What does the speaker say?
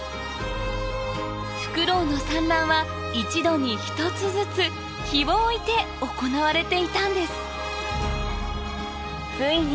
フクロウの産卵は一度に１つずつ日を置いて行われていたんですついに